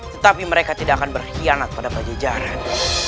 tetapi mereka tidak akan berkhianat pada pajajaran